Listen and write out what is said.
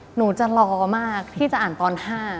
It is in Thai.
หนูจะรอมากที่จะอ่านตอน๕